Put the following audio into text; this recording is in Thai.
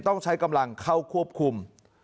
ต้องใช้กำลังเข้าควบคุม